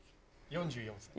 ４４歳。